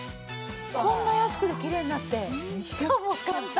こんな安くてきれいになってしかも簡単！